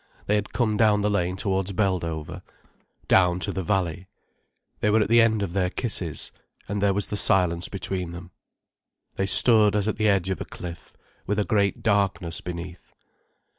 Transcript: They had come down the lane towards Beldover, down to the valley. They were at the end of their kisses, and there was the silence between them. They stood as at the edge of a cliff, with a great darkness beneath.